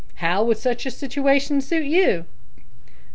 How would such a situation suit you?"